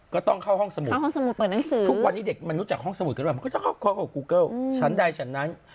ก็ต้องเข้าห้องสมุดทุกวันนี้เด็กมันรู้จักห้องสมุดกันหรือเปล่ามันก็จะเข้ากับกูเกิ้ลฉันได้ฉันนั้น